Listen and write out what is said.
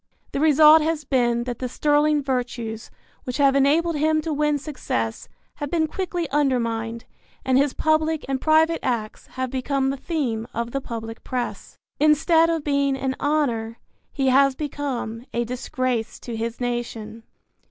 The result has been that the sterling virtues which have enabled him to win success have been quickly undermined and his public and private acts have become the theme of the public press. Instead of being an honor he has become a disgrace to his nation.